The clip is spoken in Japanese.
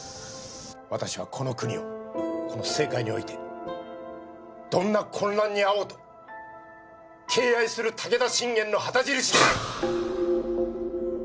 私はこの国をこの政界においてどんな混乱に遭おうと敬愛する武田信玄の旗印。